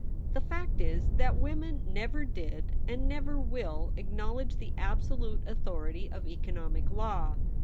The fact is that women never did, and never will, acknowledge the absolute authority of economic law.